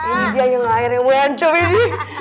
ini dia yang air yang mencum ini